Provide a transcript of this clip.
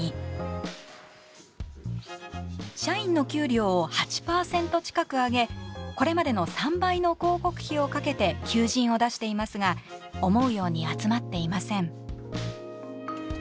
社員の給料を８％近く上げこれまでの３倍の広告費をかけて求人を出していますが思うように集まっていません。